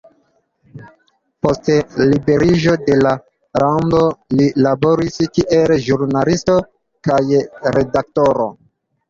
Post liberiĝo de la lando li laboris kiel ĵurnalisto kaj redaktoro.